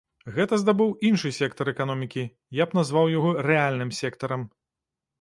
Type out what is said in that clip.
Гэта здабыў іншы сектар эканомікі, я б назваў яго рэальным сектарам.